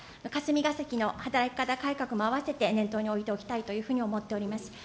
霞が関の働き方改革もあわせて念頭に置いておきたいというふうに思っております。